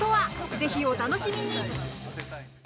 ぜひ、お楽しみに！